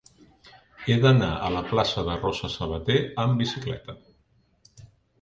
He d'anar a la plaça de Rosa Sabater amb bicicleta.